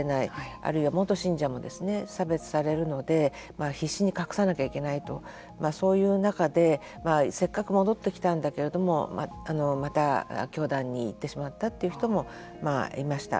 あるいは元信者もですね差別されるので必死に隠さなきゃいけないとそういう中でせっかく戻ってきたんだけれどもまた教団に行ってしまったという人もまあ、いました。